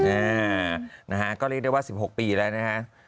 อ่านะฮะก็เรียกได้ว่า๑๖ปีแล้วนะฮะ